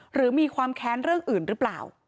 หรือมีความแค้นเรื่องอื่นหรือเปล่า